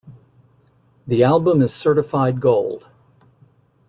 The album is certified gold.